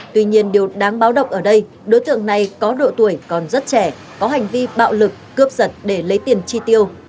tuy nhiên điều đáng báo động ở đây đối tượng này có độ tuổi còn rất trẻ có hành vi bạo lực cướp giật để lấy tiền chi tiêu